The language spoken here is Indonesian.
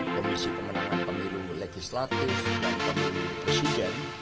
komisi pemenangan pemilu legislatif dan pemilu presiden